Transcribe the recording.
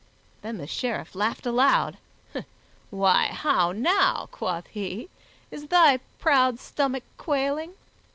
Then the Sheriff laughed aloud. "Why, how now," quoth he, "is thy proud stomach quailing?